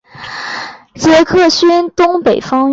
杰克逊东北方约。